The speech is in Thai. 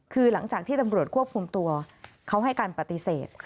คือหลังจากที่ตำรวจควบคุมตัวเขาให้การปฏิเสธ